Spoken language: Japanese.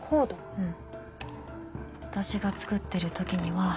うん。